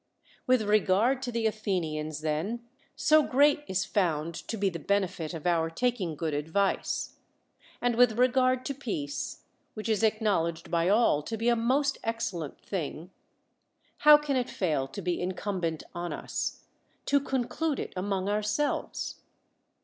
^Yith regard to the Athenians then, so great is found to l;e the benefit of our taking good advic(\ And with regard to peace, which is acknowledged by all to be a most excellent thing, how can it fail to be ineumlx nt on i;s to r'( ,nc lude it amoiiL' ourselves?